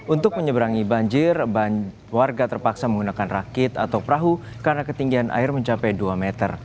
untuk menyeberangi banjir warga terpaksa menggunakan rakit atau perahu karena ketinggian air mencapai dua meter